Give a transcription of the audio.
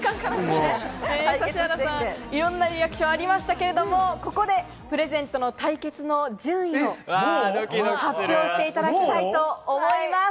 いろんなリアクションありましたが、ここでプレゼント対決の順位を発表していただきたいと思います。